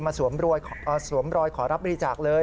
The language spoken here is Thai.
มาสวมรอยขอรับบิจักษ์เลย